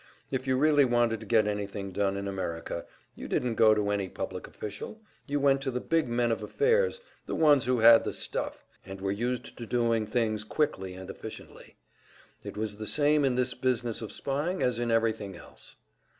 If you really wanted to get anything done in America, you didn't go to any public official, you went to the big men of affairs, the ones who had the "stuff," and were used to doing things quickly and efficiently. It was the same in this business of spying as in everything else.